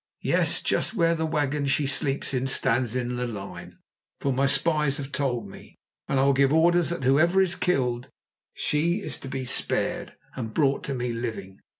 Yes, just where the wagon she sleeps in stands in the line, for my spies have told me, and I will give orders that whoever is killed, she is to be spared and brought to me living.